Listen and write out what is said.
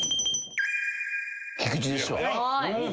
菊地ですわ。